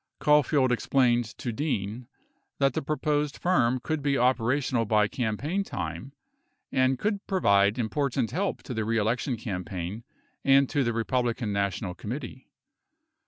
Caulfield explained to Dean that the proposed firm could be operational by campaign time and could provide important help to the reelection campaign and to the Republican National Committee.